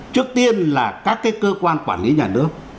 trước tiên là các cái cơ quan quản lý nhà nước